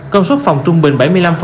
công suất phòng trung bình bảy mươi năm